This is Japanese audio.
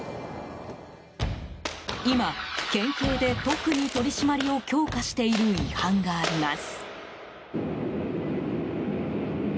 今、県警で特に取り締まりを強化している違反があります。